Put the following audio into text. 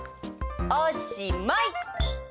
おしまい！